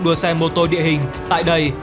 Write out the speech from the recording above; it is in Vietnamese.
đua xe mô tô địa hình tại đây